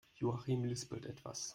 Joachim lispelt etwas.